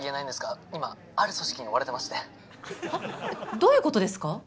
どういうことですか？